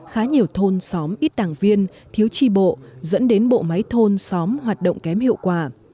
khá nhiều thôn xóm ít đảng viên thiếu tri bộ dẫn đến bộ máy thôn xóm hoạt động kém hiệu quả